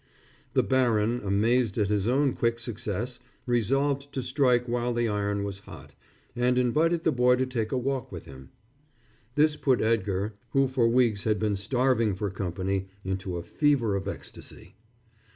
The baron, amazed at his own quick success, resolved to strike while the iron was hot, and invited the boy to take a walk with him. This put Edgar, who for weeks had been starving for company, into a fever of ecstasy.